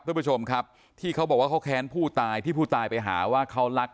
ทุกผู้ชมครับที่เขาบอกว่าเขาแค้นผู้ตายที่ผู้ตายไปหาว่าเขารัก